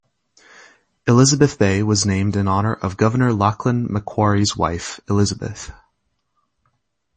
Elizabeth Bay was named in honour of Governor Lachlan Macquarie's wife, Elizabeth.